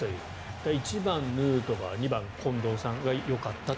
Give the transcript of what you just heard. だから１番、ヌートバー２番、近藤さんがよかったと。